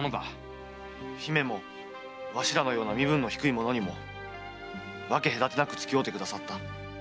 姫もわしらのような身分の低い者にも分け隔てなくつき合うてくださった。